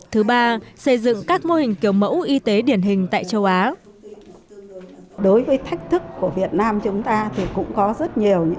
thứ ba xây dựng các mô hình